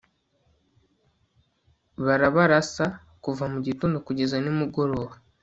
barabarasa kuva mu gitondo kugeza nimugoroba